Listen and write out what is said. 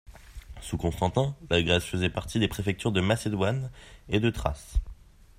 Sous Constantin, la Grèce faisait partie des préfectures de Macédoine et de Thrace.